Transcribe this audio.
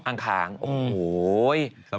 อ่างคางโอ้โห